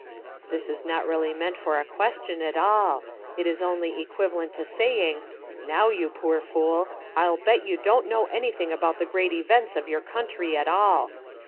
This is not really meant for a question at all. It is only equivalent to saying: "Now, you poor fool, I'll bet you don't know anything about the great events of your country at all."